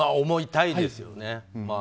思いたいですよね。